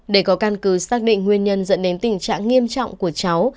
để có căn cứ xác định nguyên nhân dẫn đến tình trạng nghiêm trọng của cháu